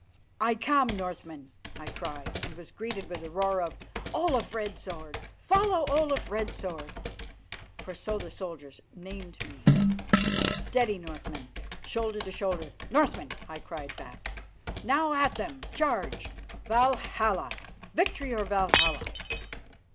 "I come, Northmen!" I cried, and was greeted with a roar of: "Olaf Red Sword! Follow Olaf Red Sword!" for so the soldiers named me. "Steady, Northmen! Shoulder to shoulder, Northmen!" I cried back. "Now at them! Charge! _Valhalla! Victory or Valhalla!